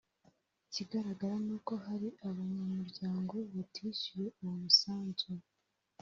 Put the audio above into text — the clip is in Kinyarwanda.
Ikigaragara n’uko hari abanyamuryango batishyuye uwo musanzu